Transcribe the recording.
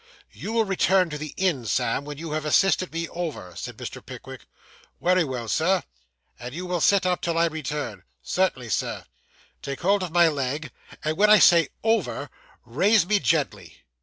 'You will return to the inn, Sam, when you have assisted me over,' said Mr. Pickwick. 'Wery well, Sir.' 'And you will sit up, till I return.' 'Cert'nly, Sir.' 'Take hold of my leg; and, when I say "Over," raise me gently.